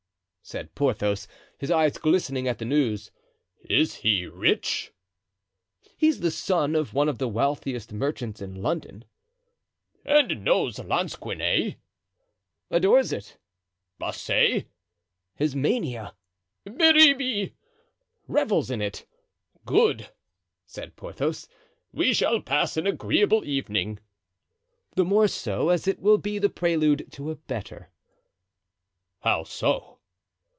said Porthos, his eyes glistening at the news. "Is he rich?" "He's the son of one of the wealthiest merchants in London." "And knows lansquenet?" "Adores it." "Basset?" "His mania." "Biribi?" "Revels in it." "Good," said Porthos; "we shall pass an agreeable evening." "The more so, as it will be the prelude to a better." "How so?"